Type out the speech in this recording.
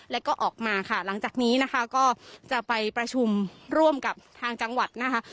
แล้วก็ออกมาค่ะหลังจากนี้นะคะก็จะไปประชุมร่วมกับทางจังหวัดนะคะ